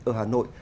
ở hà nội